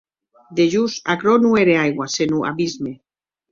Dejós, aquerò non ère aigua, senon abisme.